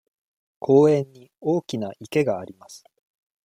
公園に大きな池があります。